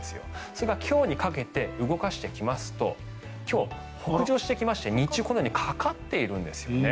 それが今日にかけて動かしていきますと今日、北上してきまして日中、このようにかかっているんですよね。